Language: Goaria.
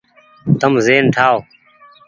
تم زهين ٺآئو ۔